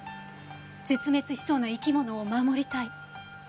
絶滅しそうな生き物を守りたい。